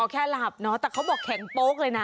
แค่หลับเนอะแต่เขาบอกแข็งโป๊กเลยนะ